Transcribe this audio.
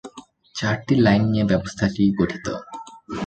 চারটি লাইন নিয়ে ব্যবস্থাটি গঠিত।